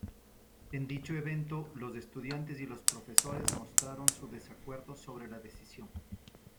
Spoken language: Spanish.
En dicho evento los estudiantes y los profesores mostraron su desacuerdo sobre la decisión.